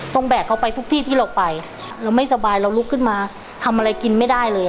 แบกเขาไปทุกที่ที่เราไปเราไม่สบายเราลุกขึ้นมาทำอะไรกินไม่ได้เลย